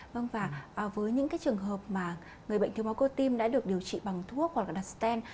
vâng và với những cái trường hợp mà người bệnh thiếu máu cơ tim đã được điều trị bằng thuốc hoặc là đặt sten